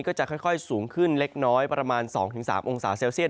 ก็จะค่อยสูงขึ้นเล็กน้อยประมาณ๒๓องศาเซลเซียต